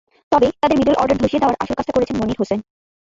তবে তাদের middle order ধসিয়ে দেওয়ার আসল কাজটা করেছেন মনির হোসেন।